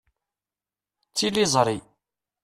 D tiliẓri.